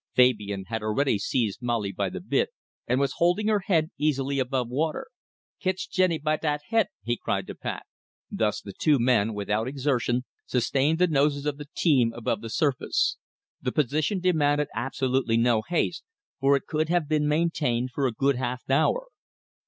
Fabian had already seized Molly by the bit, and was holding her head easily above water. "Kitch Jenny by dat he't!" he cried to Pat. Thus the two men, without exertion, sustained the noses of the team above the surface. The position demanded absolutely no haste, for it could have been maintained for a good half hour.